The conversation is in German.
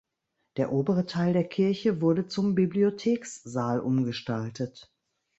Der obere Teil der Kirche wurde zum Bibliothekssaal umgestaltet.